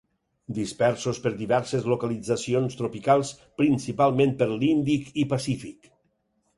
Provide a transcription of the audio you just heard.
Dispersos per diverses localitzacions tropicals, principalment de l'Índic i Pacífic.